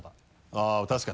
あぁ確かに。